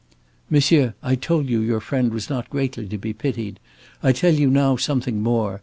"Monsieur, I told you your friend was not greatly to be pitied. I tell you now something more.